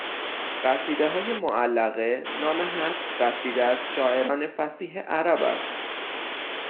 قصیده های معلقه نام هفت قصیده از شاعران فصیح عرب است